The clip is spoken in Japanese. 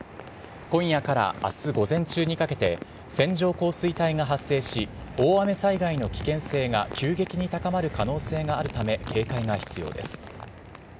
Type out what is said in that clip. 今夜からあす午前中にかけて、線状降水帯が発生し、大雨災害の危険性が急激に高まる可能性があるため、警戒が必要です。